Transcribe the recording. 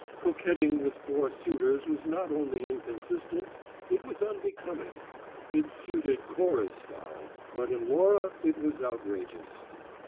Coquetting with four suitors was not only inconsistent; it was unbecoming. It "suited Cora's style," but in Laura it was outrageous.